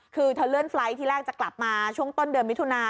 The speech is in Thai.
คือเธอเลื่อนไฟล์ทที่แรกจะกลับมาช่วงต้นเดือนมิถุนา